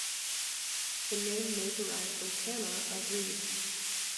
The name may derive from "canna," a reed.